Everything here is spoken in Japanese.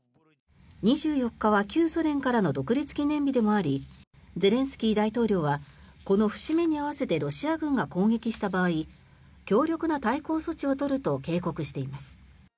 ２４日は旧ソ連からの独立記念日でもありゼレンスキー大統領はこの節目に合わせてロシア軍が攻撃した場合強力な対抗措置を取ると警告しています。